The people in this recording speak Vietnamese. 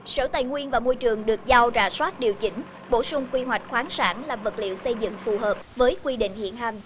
sở tài nguyên và môi trường được giao rà soát điều chỉnh bổ sung quy hoạch khoáng sản làm vật liệu xây dựng phù hợp với quy định hiện hành